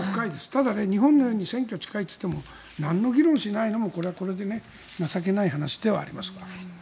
ただ、日本のように選挙が近いといっても何の議論をしないのもこれはこれで情けない話ではあります。